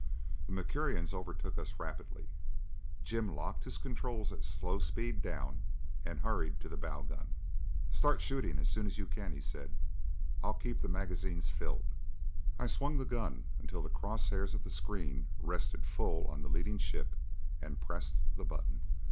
The Mercurians overtook us rapidly; Jim locked his controls at slow speed down and hurried to the bow gun. "Start shooting as soon as you can," he said. "I'll keep the magazine filled." I swung the gun until the cross hairs of the screen rested full on the leading ship and pressed the button.